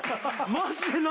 マジで何？